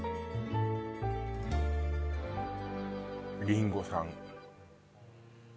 リンゴさん